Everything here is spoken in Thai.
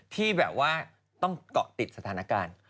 ที่แบบว่าต้องเกาะติดสถานการณ์